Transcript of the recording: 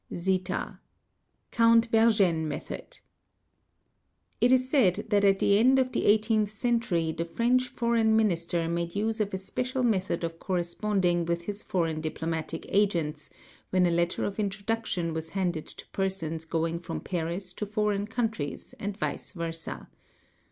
|||(€) Count Vergennes method :—lIt is said that at the end of the 18th Century the French Foreign Minister made use of a special method of corresponding with his foreign diplomatic agents when a letter of intro duction was handed to persons going from Paris to foreign countries and vice versd.